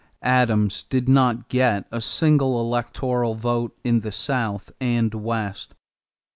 Adams did not get a single electoral vote in the South and West.